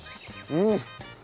うん！